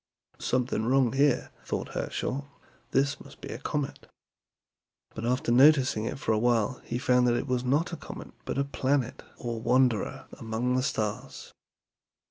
'Something wrong here,' thought Herschel; 'this must be a comet.' But after noticing it for a while he found that it was not a comet, but a planet or wanderer among the stars."